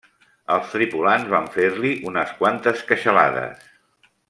Els tripulants van fer-li unes quantes queixalades.